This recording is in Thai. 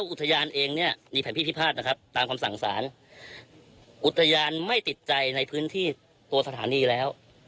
อุตจัยานไม่ติดใจในพื้นที่ตัวสถานีแล้ว